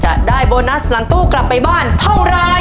จะได้โบนัสกลับไปบ้านเท่าไร